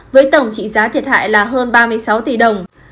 với tổng trị giá thiệt hại là hơn ba mươi sáu tỷ đồng